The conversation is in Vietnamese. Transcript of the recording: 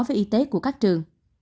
với y tế của các trường